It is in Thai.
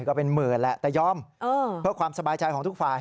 ก็เป็นหมื่นแหละแต่ยอมเพื่อความสบายใจของทุกฝ่าย